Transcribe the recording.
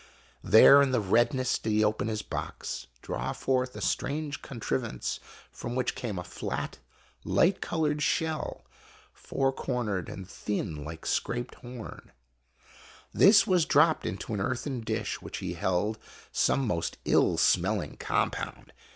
There in the redness did he open his box, draw forth a strange contrivance from which came a flat, light colored shell, four cornered, UNDER THE RED LIGHT. PREHISTORIC PHOTOGRAPHY 9 and thin like scraped horn. This was dropped into an earthen dish which held some most ill smelling compound.